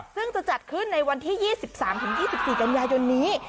ซึ่งจะจัดขึ้นในวันที่๒๓๒๔กันยายนนี้